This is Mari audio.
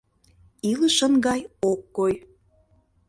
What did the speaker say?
Илышын гай ок кой.